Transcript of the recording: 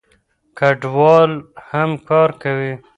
کډوال هم کار کوي.